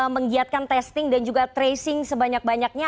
menggiatkan testing dan juga tracing sebanyak banyaknya